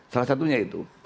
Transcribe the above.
salah satunya itu